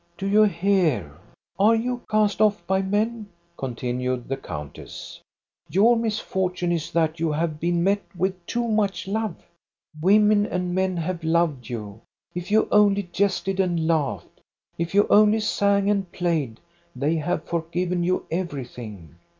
"Do you hear? Are you cast off by men?" con tinued the countess. " Your misfortune is that you have been met with too much love. Women and men have loved you. If you only jested and laughed,, if you only sang and played, they have forgiven you everything.